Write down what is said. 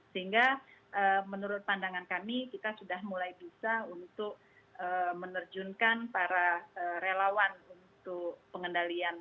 sehingga menurut pandangan kami kita sudah mulai bisa untuk menerjunkan para relawan untuk pengendalian